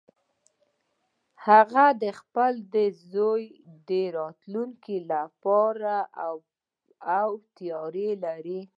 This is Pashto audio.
هغه د خپل زوی د راتلونکې لپاره پلان او تیاری لري